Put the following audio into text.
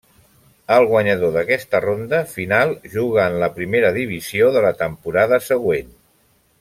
El guanyador d'aquesta ronda final juga en la Primera Divisió de la temporada següent.